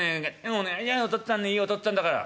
お願いだよお父っつぁんねえいいお父っつぁんだから」。